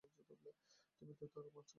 তুমি তো আর মাখনের মত গলিয়া যাইতেছ না।